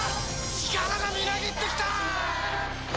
力がみなぎってきた！